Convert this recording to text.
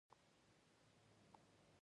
احمد قطعې ډېر ژر لاس لاس کړې.